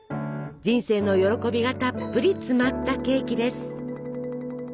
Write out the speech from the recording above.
人生の喜びがたっぷり詰まったケーキです！